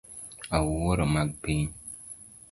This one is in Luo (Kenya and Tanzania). Awuoro mag piny